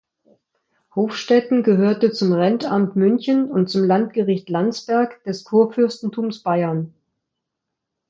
Hofstetten gehörte zum Rentamt München und zum Landgericht Landsberg des Kurfürstentums Bayern.